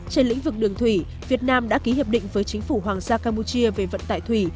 trên lĩnh vực đường thủy việt nam đã ký hiệp định với chính phủ hoàng gia campuchia về vận tải thủy